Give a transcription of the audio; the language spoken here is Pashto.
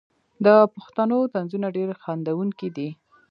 د پښتنو طنزونه ډیر خندونکي دي.